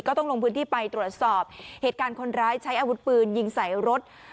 ต้องลงพื้นที่ไปตรวจสอบเหตุการณ์คนร้ายใช้อาวุธปืนยิงใส่รถ